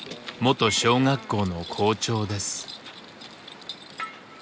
元小学校の校長です。